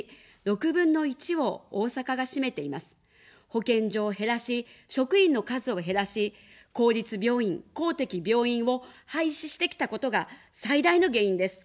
保健所を減らし、職員の数を減らし、公立病院・公的病院を廃止してきたことが最大の原因です。